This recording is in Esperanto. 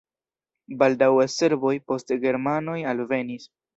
Baldaŭe serboj, poste germanoj alvenis.